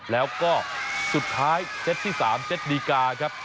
แล้วก็สุดท้ายเซตที่๓เซตดีกาครับ